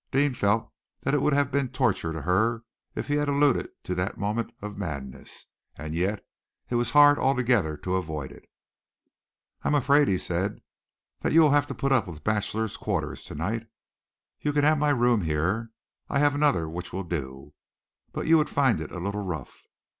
Deane felt that it would have been torture to her if he had alluded to that moment of madness, and yet it was hard altogether to avoid it. "I am afraid," he said, "that you will have to put up with bachelor quarters to night. You can have my room here. I have another which will do, but you would find it a little rough."